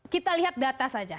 kita lihat data saja